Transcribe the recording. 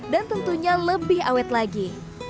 dan tentunya lebih awet lagi